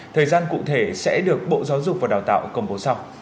thời gian cụ thể sẽ được bộ giáo dục và đào tạo công bố sau